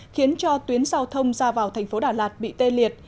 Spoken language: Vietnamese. khiến cho tuyến giao thông ra vào thành phố đà lạt bị tê liệt